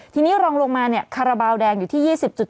ทีนี้รองลงมาคาราบาลแดงอยู่ที่๒๐๗